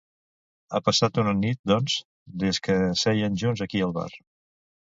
Ha passat una nit, doncs, des que seien junts aquí al bar.